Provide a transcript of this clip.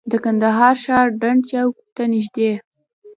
د کندهار ښار ډنډ چوک ته نږدې.